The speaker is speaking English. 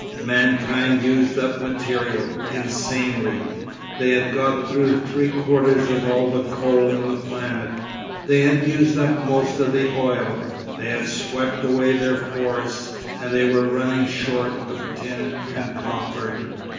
Mankind used up material—insanely. They had got through three quarters of all the coal in the planet, they had used up most of the oil, they had swept away their forests, and they were running short of tin and copper.